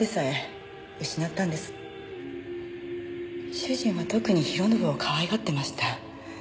主人は特に弘信をかわいがってました。